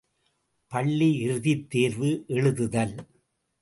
● பள்ளியிறுதித் தேர்வு எழுதுதல்.